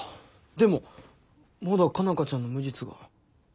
でもまだ佳奈花ちゃんの無実が。